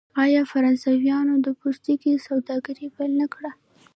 آیا فرانسویانو د پوستکي سوداګري پیل نه کړه؟